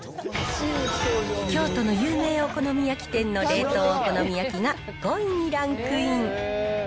京都の有名お好み焼き店の冷凍お好み焼きが５位にランクイン。